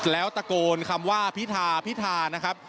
แล้วตะโกนคำว่าพิธาพิธานะครับ